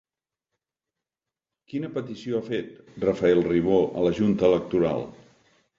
Quina petició ha fet Rafael Ribó a la junta electoral?